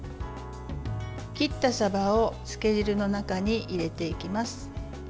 切ったさばを漬け汁の中に入れていきます。